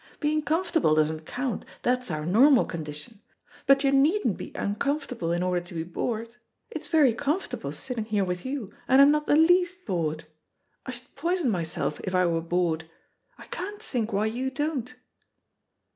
Being comfortable doesn't count; that's our normal condition. But you needn't be uncomfortable in order to be bored. It's very comfortable sitting here with you, and I'm not the least bored. I should poison myself if I were bored: I can't think why you don't."